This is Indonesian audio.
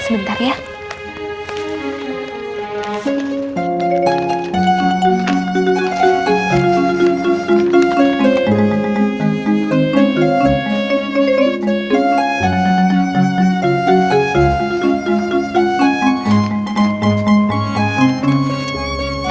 sebentar teh udah